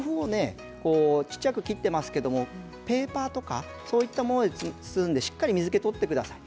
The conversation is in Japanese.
小ちゃく切っていますけれどペーパーとか、そういったもので包んでしっかり水けを取ってください。